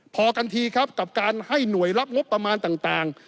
พอกันทีครับกับการให้หน่วยรับงบประมาณต่าง